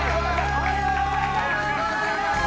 おめでとうございます！